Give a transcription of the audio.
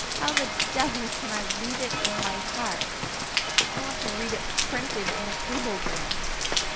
"How the devil can I read it in my heart? I want to read it PRINTED in a cablegram."